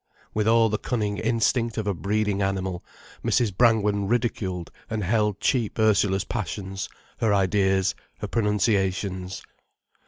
With all the cunning instinct of a breeding animal, Mrs. Brangwen ridiculed and held cheap Ursula's passions, her ideas, her pronunciations.